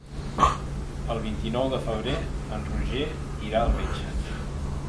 El vint-i-nou de febrer en Roger irà al metge.